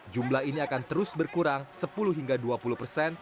jumlah ini akan terus berkurang sepuluh hingga dua puluh persen